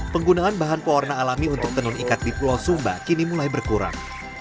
penggunaan bahan pewarna alami untuk tenun ikat di pulau sumba kini mulai berkurang